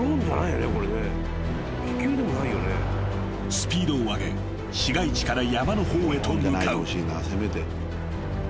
［スピードを上げ市街地から山の方へと向かう］